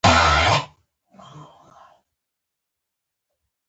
پدغه وطن کې د افغان کلتور نا لیکلو اساساتو نظم حاکم کړی.